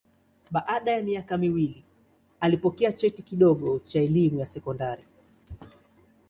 Baada ya miaka miwili alipokea cheti kidogo cha elimu ya sekondari.